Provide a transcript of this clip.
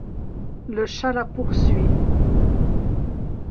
Le chat la poursuit.